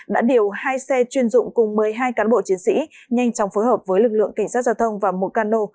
đã điều hai xe chuyên dụng cùng một mươi hai cán bộ chiến sĩ nhanh chóng phối hợp với lực lượng cảnh sát giao thông và mocano